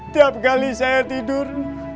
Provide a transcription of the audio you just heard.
tiap kali saya tidur